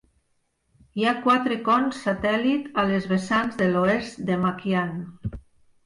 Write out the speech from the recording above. Hi ha quatre cons satèl·lit a les vessants de l'oest de Makian.